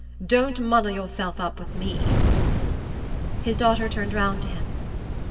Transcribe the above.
Don't muddle yourself up with ME!" His daughter turned round to him.